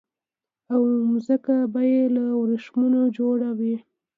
او ځمکه به يي له وريښمو جوړه وي